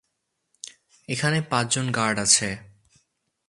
এখানে পাঁচজন গার্ড আছে.